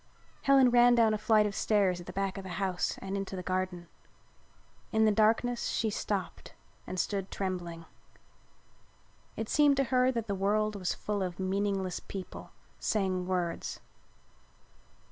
Helen ran down a flight of stairs at the back of the house and into the garden. In the darkness she stopped and stood trembling. It seemed to her that the world was full of meaningless people saying words.